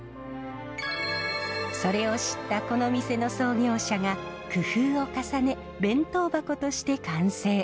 それを知ったこの店の創業者が工夫を重ね弁当箱として完成。